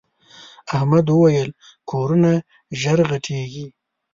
احمد وويل: کورونه ژر غټېږي.